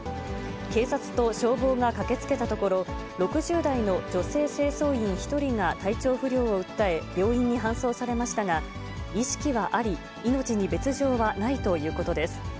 警察と消防が駆けつけたところ、６０代の女性清掃員１人が体調不良を訴え、病院に搬送されましたが、意識はあり、命に別状はないということです。